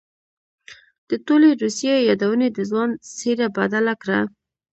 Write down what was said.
د ټولې روسيې يادونې د ځوان څېره بدله کړه.